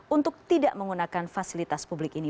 untuk tidak menggunakan fasilitas publik ini